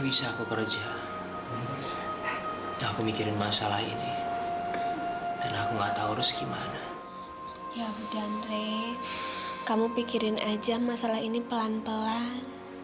bisa aku kerja aku mikirin masalah ini aku nggak tahu gimana kamu pikirin aja masalah ini pelan pelan